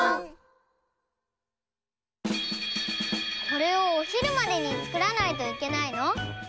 これをおひるまでにつくらないといけないの？